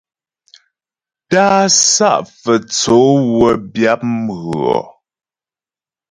Tá'a Sá'a Fə́tsǒ wə́ byǎp mghʉɔ.